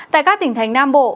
tại các tỉnh thành nam bộ